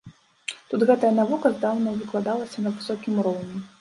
Тут гэтая навука здаўна выкладалася на высокім роўні.